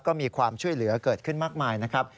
ก็มีความช่วยเหลือเกิดขึ้นมากมายนะครับ